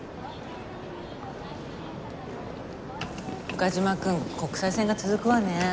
岡島くん国際線が続くわね。